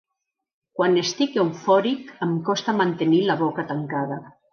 Quan estic eufòric em costa mantenir la boca tancada.